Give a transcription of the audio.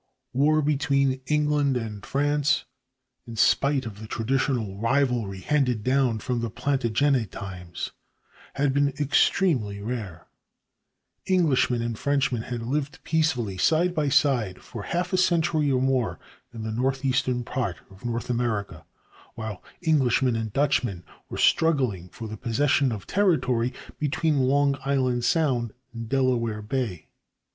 War between England and France, in spite of the traditional rivalry handed down from Plantagenet times, had been extremely rare; Englishmen and Frenchmen had lived peacefully side by side for half a century or more in the northeastern part of North America, while Englishmen and Dutchmen were struggling for the possession of the territory between Long Island Sound and Delaware Bay.